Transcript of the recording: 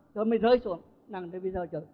rồi mới rơi xuống